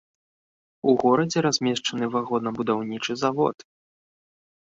У горадзе размешчаны вагонабудаўнічы завод.